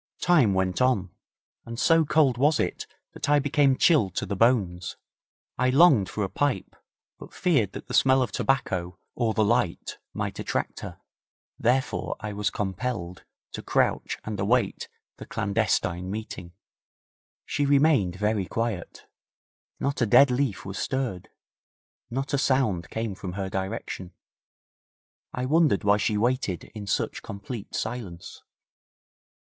Time went on, and so cold was it that I became chilled to the bones. I longed for a pipe, but feared that the smell of tobacco or the light might attract her. Therefore I was compelled to crouch and await the clandestine meeting. She remained very quiet. Not a dead leaf was stirred; not a sound came from her direction. I wondered why she waited in such complete silence.